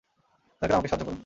দয়া করে আমাকে সাহায্য করুন।